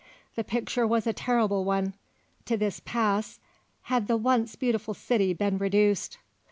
The picture was a terrible one; to this pass had the once beautiful city been reduced.